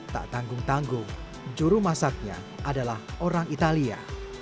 tak tanggung tanggung juru masaknya adalah orang italia